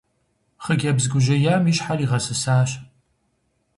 Хъыджэбз гужьеям и щхьэр игъэсысащ.